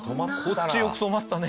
こっちよく止まったね。